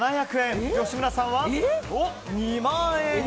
吉村さんは２万円。